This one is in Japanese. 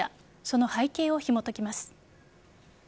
その背景をひもときます。